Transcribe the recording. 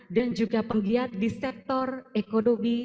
dan juga penggiat di sektor ekonomi